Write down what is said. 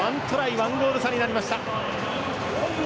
１ゴール差になりました。